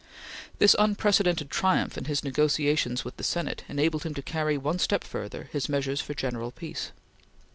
This unprecedented triumph in his negotiations with the Senate enabled him to carry one step further his measures for general peace.